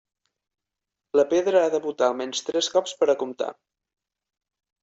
La pedra ha de botar almenys tres cops per a comptar.